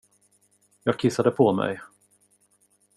Jag kissade på mig.